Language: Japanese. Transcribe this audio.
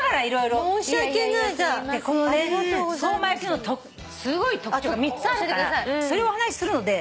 相馬焼のすごい特徴が３つあるからそれをお話しするので。